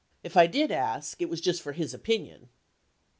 If I did ask, it was just for his opinion.